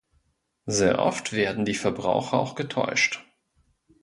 Sehr oft werden die Verbraucher auch getäuscht.